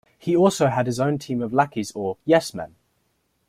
He also had his own team of lackeys or "yes men".